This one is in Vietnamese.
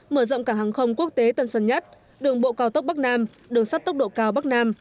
mở rộng cảng hàng không quốc tế tân sơn nhất đường bộ cao tốc bắc nam đường sắt tốc độ cao bắc nam